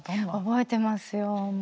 覚えてますよ。